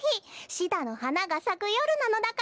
シダのはながさくよるなのだから。